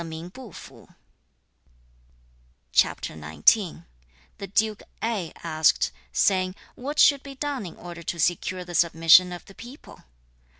The Duke Ai asked, saying, 'What should be done in order to secure the submission of the people?'